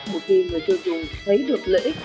một khi người tiêu dùng thấy được lợi ích